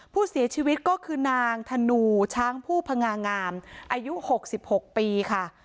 ผู้เสียชีวิตก็คือนางธนูช้างผู้พงางามอายุ๖๖ปีค่ะ